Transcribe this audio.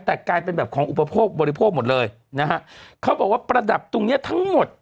แต่กลายเป็นแบบของอุปโภคบริโภคหมดเลยนะฮะเขาบอกว่าประดับตรงเนี้ยทั้งหมด